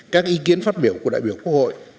các ý kiến phát biểu của đại biểu quốc hội